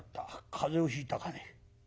風邪をひいたかね。